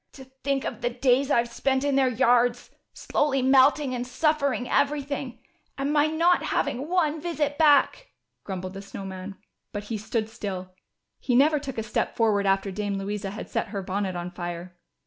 " To think of the days I've spent in their yards, slowly melting and suffering everything, and my not having one visit back," grumbled the Snow Man. But he stood still ; he never took a step forward after Dame Louisa had set her bonnet on fire.